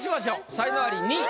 才能アリ２位。